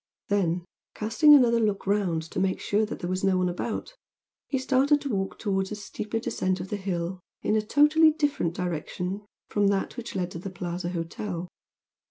Then, casting another look round to make sure that there was no one about, he started to walk towards a steeper descent of the hill in a totally different direction from that which led to the "Plaza" hotel.